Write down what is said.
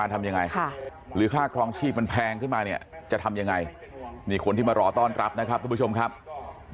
แต่กังวลว่านายจ้างจะไหวไหม